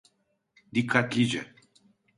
Dikkatlice.